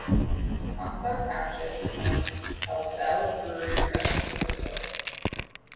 Comstock Township is home of Bell's Brewery production facility.